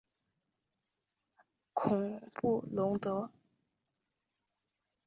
孔布龙德。